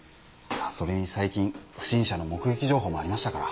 それに最近不審者の目撃情報もありましたから